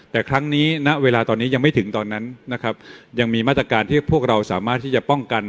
แต่ครั้งนี้ณเวลาตอนนี้ยังไม่ถึงตอนนั้นนะครับยังมีมาตรการที่พวกเราสามารถที่จะป้องกัน